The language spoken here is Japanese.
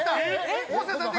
えっ？